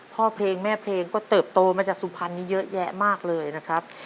พ่อเพลงแม่เพลงก็เติบโตมาจากสุพรรณนี้เยอะแยะมากเลยนะครับ